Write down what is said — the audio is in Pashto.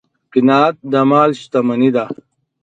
قناعت د مال شتمني ده.